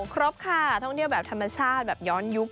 ครบค่ะท่องเที่ยวแบบธรรมชาติแบบย้อนยุค